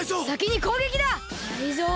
タイゾウ！